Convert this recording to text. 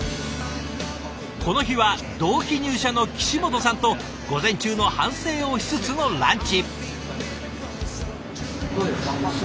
この日は同期入社の岸本さんと午前中の反省をしつつのランチ。